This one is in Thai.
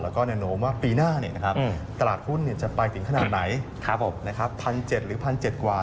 แล้วก็แนะนำว่าปีหน้าเนี่ยนะครับตลาดหุ้นเนี่ยจะไปถึงขนาดไหนครับผมนะครับพันเจ็ดหรือพันเจ็ดกว่า